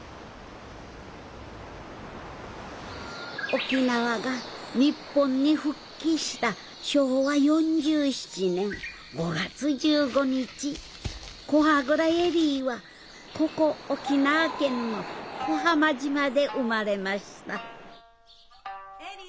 沖縄が日本に復帰した昭和４７年５月１５日古波蔵恵里は沖縄県の小浜島で生まれました・恵里！